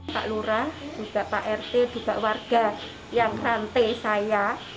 pak lurah juga pak rt juga warga yang rantai saya